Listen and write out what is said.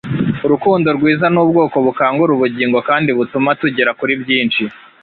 Urukundo rwiza ni ubwoko bukangura ubugingo kandi butuma tugera kuri byinshi,